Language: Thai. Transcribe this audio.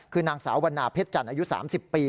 คือนางสาววันนาเพชรจันทร์อายุ๓๐ปี